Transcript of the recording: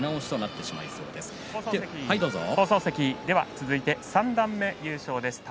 続いて三段目優勝です。